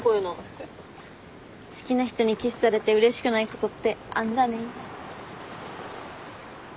好きな人にキスされてうれしくないことってあるんだね。